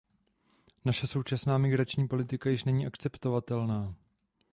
Naše současná migrační politika již není akceptovatelná.